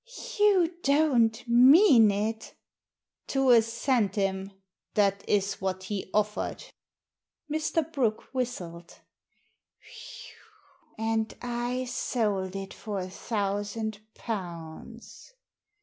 "You don't mean it?" '* To a centime that is what he offered." Mr. Brooke whistled. "And I sold it for a thousand pounds!"